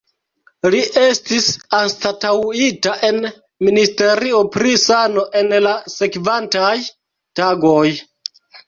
Li estis anstataŭita en Ministerio pri sano en la sekvantaj tagoj.